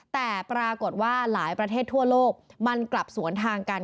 แต่ปรากฏว่าหลายประเทศทั่วโลกมันกลับสวนทางกัน